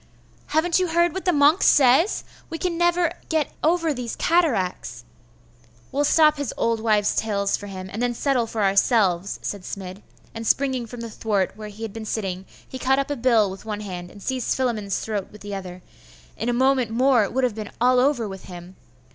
'Haven't you heard what the monk says? we can never get ever those cataracts.' 'We'll stop his old wives' tales for him, and then settle for ourselves,' said Smid; and springing from the thwart where he had been sitting, he caught up a bill with one hand, and seized Philammon's throat with the other.... in a moment more, it would have been all over with him....